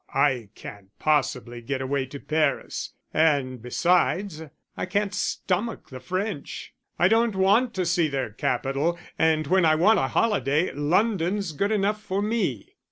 I can't possibly get away to Paris, and besides I can't stomach the French. I don't want to see their capital, and when I want a holiday, London's good enough for me.